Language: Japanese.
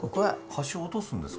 端落とすんですか？